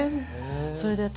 それで私